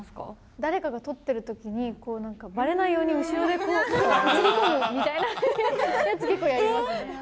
誰かが撮ってるときに、ばれないように後ろでこう、写り込むみたいなやつ結構やりますね。